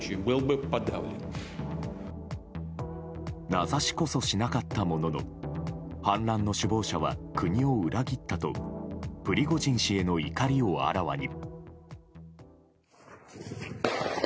名指しこそしなかったものの反乱の首謀者は国を裏切ったとプリゴジン氏への怒りをあらわに。